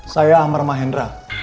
saya amar mahendra